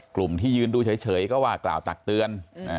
ที่ยืนดูเฉยก็ว่ากล่าวตักเตือน